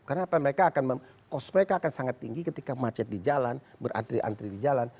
karena apa mereka akan cost mereka akan sangat tinggi ketika macet di jalan berantri antri di jalan